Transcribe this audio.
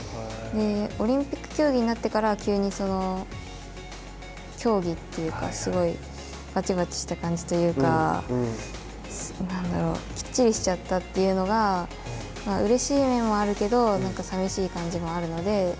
オリンピック競技になってから急に競技というか、すごいばちばちした感じというかきっちりしちゃったというのが、うれしい面もあるけどそうなんだ。